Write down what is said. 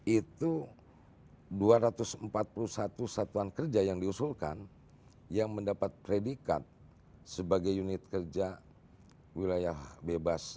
itu dua ratus empat puluh satu satuan kerja yang diusulkan yang mendapat predikat sebagai unit kerja wilayah bebas